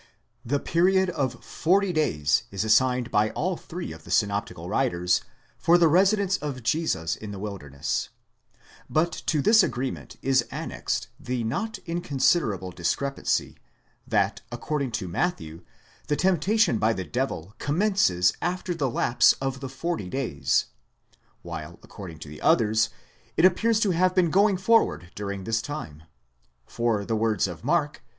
The period of forty days is assigned by all three of the synoptical writers 2? Comm. z. Ev. Joh. 1, 5. 344. 5 Comp. de Wette, exeg. Handb. I, 3, 8. 27. BAPTISM OF JESUS, 251 for the residence of Jesus in the wilderness; but to this agreement is annexed the not inconsiderable discrepancy, that, according to Matthew, the tempta tion by the devil commences after the lapse of the forty days, while, according to the others, it appears to have been going forward during this time ; for the words of Mark (i.